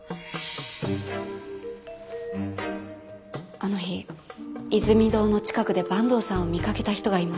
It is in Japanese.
あの日イズミ堂の近くで坂東さんを見かけた人がいます。